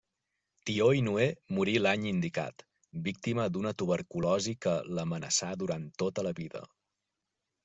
Tió i Noé morí l'any indicat, víctima d'una tuberculosi que l'amenaçà durant tota la vida.